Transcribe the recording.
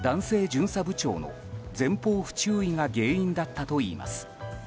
巡査部長の前方不注意が原因だったといいます。